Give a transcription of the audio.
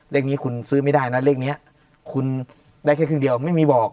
เลขนี้คุณซื้อไม่ได้นะเลขนี้คุณได้แค่ครึ่งเดียวไม่มีบอก